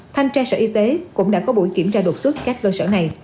thanh tra sở y tế cũng đã có buổi kiểm tra đột xuất các cơ sở này